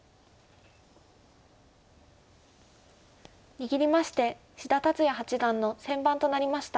握りまして志田達哉八段の先番となりました。